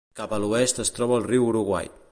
Cap a l'oest es troba el riu Uruguai.